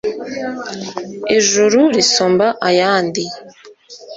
ijuru risumba ayandi